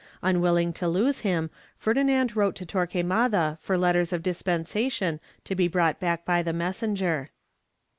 Unwilling to lose him, Ferdinand wrote to Tor quemada for letters of dispensation to be brought back by the messenger.'